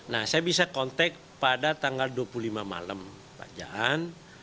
nah saya bisa kontak pada tanggal dua puluh lima malam pak jaan